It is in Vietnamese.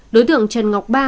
đối tượng trần ngọc ba